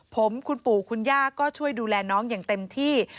ผมคุณปู่คุณย่าก็ช่วยดูแลน้องอย่างเต็มที่